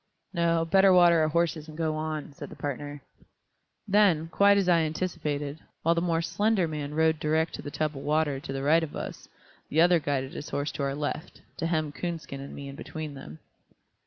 "No, better water our horses and go on," said the partner. Then, quite as I anticipated, while the more slender man rode direct to the tub of water, to the right of us, the other guided his horse to our left, to hem Coonskin and me in between them.